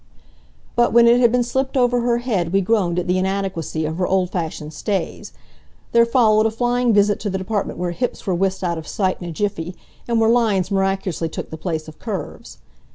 But when it had been slipped over her head we groaned at the inadequacy of her old fashioned stays. There followed a flying visit to the department where hips were whisked out of sight in a jiffy, and where lines miraculously took the place of curves.